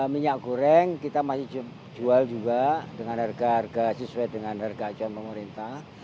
minyak goreng kita masih jual juga dengan harga harga sesuai dengan harga acuan pemerintah